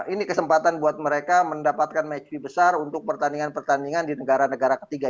ini kesempatan buat mereka mendapatkan match fee besar untuk pertandingan pertandingan di negara negara ketiga